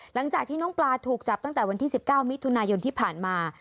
หลังจากที่น้องปลาถูกจับตั้งแต่วันที่๑๙มิถุนายนที่ผ่านมา